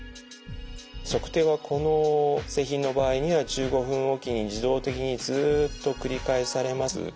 測定はこの製品の場合には１５分おきに自動的にずっと繰り返されます。